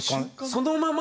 そのまま？